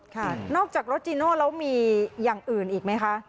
ค่ะนอกจากรถจีโน่แล้วมีอย่างอื่นอีกไหมคะ